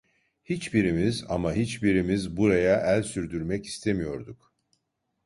Hiçbirimiz, ama hiçbirimiz buraya el sürdürmek istemiyorduk.